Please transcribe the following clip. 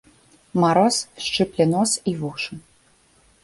Мароз шчыпле нос і вушы.